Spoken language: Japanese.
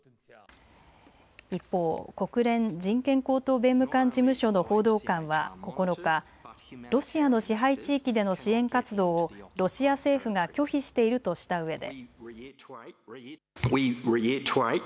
一方、国連人権高等弁務官事務所の報道官は９日、ロシアの支配地域での支援活動をロシア政府が拒否しているとしたうえで。